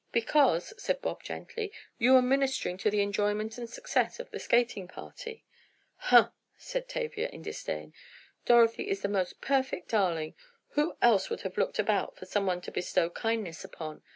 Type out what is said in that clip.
"Because," said Bob gently, "you were ministering to the enjoyment and success of the skating party." "Huh!" said Tavia, in disdain. "Dorothy is the most perfect darling! Who else would have looked about for someone to bestow kindnesses upon?